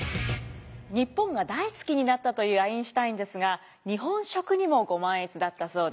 日本が大好きになったというアインシュタインですが日本食にもご満悦だったそうです。